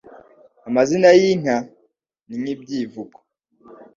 Amazina y'inka ni nk'ibyivugo